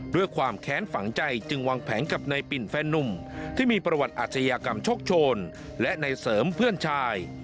ความแค้นฝังใจจึงวางแผนกับนายปิ่นแฟนนุ่มที่มีประวัติอาชญากรรมโชคโชนและในเสริมเพื่อนชาย